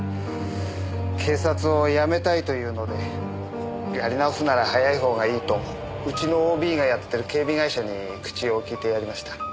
警察を辞めたいというのでやり直すなら早い方がいいとうちのＯＢがやってる警備会社に口を利いてやりました。